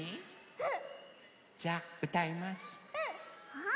うん？